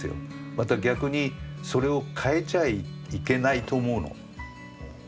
また逆にそれを変えちゃいけないと思うの。